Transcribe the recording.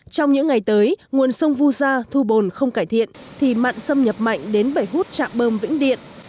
trong những ngày tới nguồn sông vu gia thu bồn không cải thiện thì mặn xâm nhập mạnh đến bể hút trạm bơm vĩnh điện